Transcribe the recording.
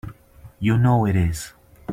You know it is!